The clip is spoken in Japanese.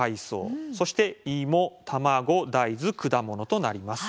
そしていも卵大豆果物となります。